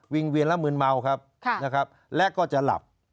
วิ่งเวียนแล้วเหมือนเมาครับแล้วก็จะหลับ